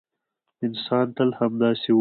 انسان تل همداسې و.